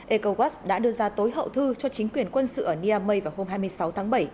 ecowas đã đưa ra tối hậu thư cho chính quyền quân sự ở niamey vào hôm hai mươi sáu tháng bảy